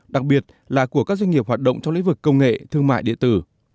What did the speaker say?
đặc biệt là của các doanh nghiệp hoạt động trong lĩnh vực công nghệ thương mại điện tử